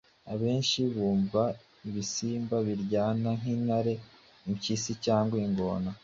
Abenshi bumva ibisimba biryana nk’intare, impyisi cyangwa ingona.